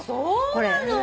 これ。